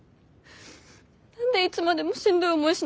何でいつまでもしんどい思いしな